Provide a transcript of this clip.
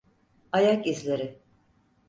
Ayak izleri.